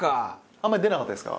あんまり出なかったですか？